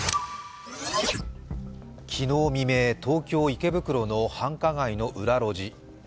昨日未明、東京・池袋の繁華街の裏路地。